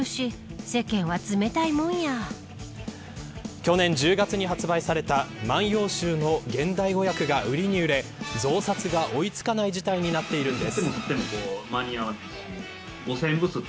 去年１０月に発売された万葉集の現代語訳が売りに売れ増刷が追い付かない事態になっているんです。